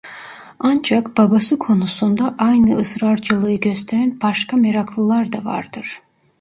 Ancak babası konusunda aynı ısrarcılığı gösteren başka meraklılar da vardır.